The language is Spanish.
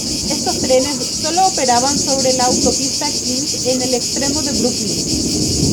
Estos trenes sólo operaban sobre la Autopista Kings en el extremo de Brooklyn.